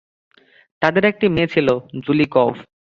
তাদের একটি মেয়ে ছিল, জুলি কব।